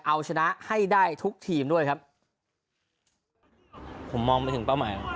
เอาชนะให้ได้ทุกทีมด้วยครับผมมองไปถึงเป้าหมาย